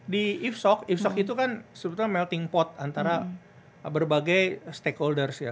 di ipsok ipsok itu kan sebetulnya melting pot antara berbagai stakeholders ya